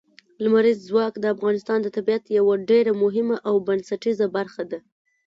لمریز ځواک د افغانستان د طبیعت یوه ډېره مهمه او بنسټیزه برخه ده.